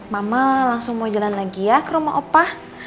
mama langsung mau jalan lagi ya ke rumah opa